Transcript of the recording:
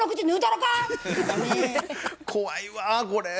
怖いわこれ。